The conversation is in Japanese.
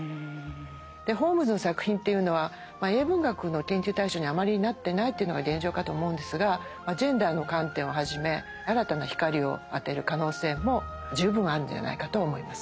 ホームズの作品というのは英文学の研究対象にはあまりなってないというのが現状かと思うんですがジェンダーの観点をはじめ新たな光を当てる可能性も十分あるんじゃないかと思います。